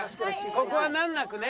ここは難なくね。